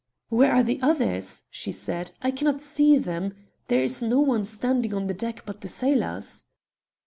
"Where are the others?" she said. "I cannot see them. There is no one standing on the deck but the sailors."